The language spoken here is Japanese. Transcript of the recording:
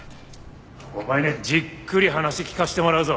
お前にはじっくり話聞かせてもらうぞ。